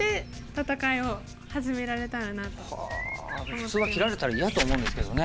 普通は切られたら嫌と思うんですけどね。